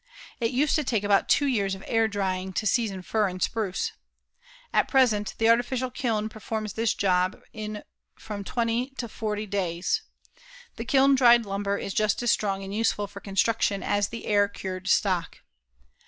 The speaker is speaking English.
It used to take about two years of air drying to season fir and spruce. At present the artificial kiln performs this job in from twenty to forty days. The kiln dried lumber is just as strong and useful for construction as the air cured stock.